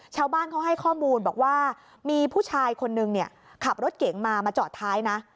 ชาวบ้านเขาให้ข้อมูลบอกว่ามีผู้ชายคนนึงเนี่ยขับรถเก๋งมามาจอดท้ายนะ